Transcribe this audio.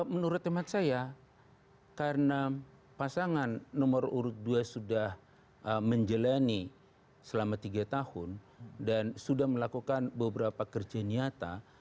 menurut teman saya karena pasangan nomor urut dua sudah menjalani selama tiga tahun dan sudah melakukan beberapa kerja nyata